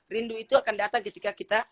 rindu itu akan datang ketika kita